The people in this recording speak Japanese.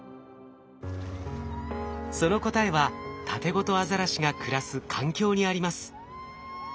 その答えはタテゴトアザラシが暮らす環境にあります。